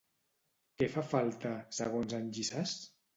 Què fa falta, segons en Llissàs?